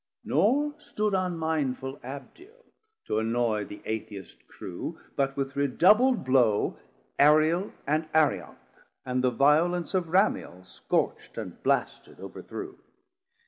Nor stood unmindful Abdiel to annoy The Atheist crew, but with redoubl'd blow 370 Ariel and Arioc, and the violence Of Ramiel scorcht and blasted overthrew.